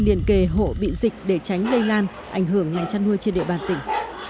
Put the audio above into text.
hội liền kề hộ bị dịch để tránh lây lan ảnh hưởng ngành chăn nuôi trên địa bàn tỉnh